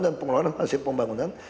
dan pengeluaran hasil pembangunan